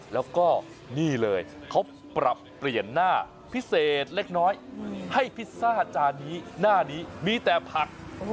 แล้วก็นี่เลยเขาปรับเปลี่ยนหน้าพิเศษเล็กน้อยให้พิซซ่าจานนี้หน้านี้มีแต่ผัก